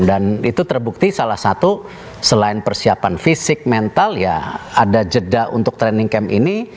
dan itu terbukti salah satu selain persiapan fisik mental ya ada jeda untuk training camp ini